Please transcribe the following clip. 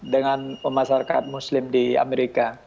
dengan masyarakat muslim di amerika